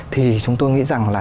thì chúng tôi nghĩ rằng là